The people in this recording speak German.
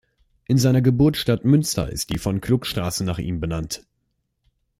In seiner Geburtsstadt Münster ist die Von-Kluck-Straße nach ihm benannt.